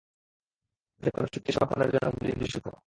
যেকোনো চুক্তি সম্পাদনের জন্য দিনটি শুভ।